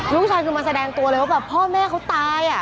ลูกชายคือมาแสดงตัวเลยว่าแบบพ่อแม่เขาตาย